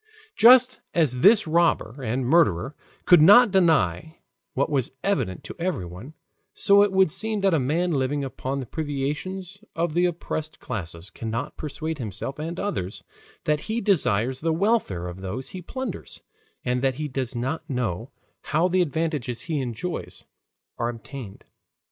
Just as this robber and murderer could not deny what was evident to everyone, so it would seem that a man living upon the privations of the oppressed classes cannot persuade himself and others that he desires the welfare of those he plunders, and that he does not know how the advantages he enjoys are obtained.